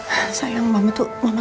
kau mau di sini meredith progress level ya